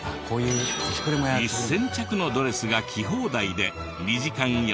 １０００着のドレスが着放題で２時間４０００円から。